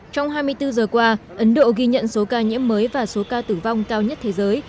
trong hai mươi bốn giờ qua ấn độ ghi nhận số ca nhiễm mới và số ca tử vong cao nhất thế giới